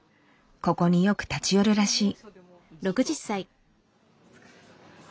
ここによく立ち寄るらしい。